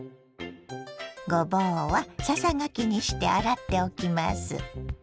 ごぼうはささがきにして洗っておきます。